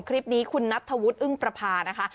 คลิปนี้คุณนัทธวุฒิอึ้งประพานะคะ